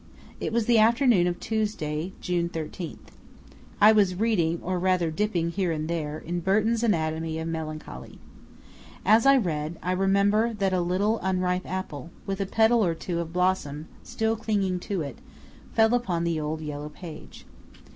It was the afternoon of Tuesday, June 13th. I was reading, or rather dipping here and there, in Burton's Anatomy of Melancholy. As I read, I remember that a little unripe apple, with a petal or two of blossom still clinging to it, fell upon the old yellow page.